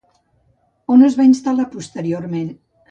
On es va instal·lar posteriorment?